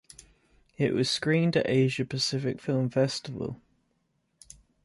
It was screened at Asia Pacific Film Festival.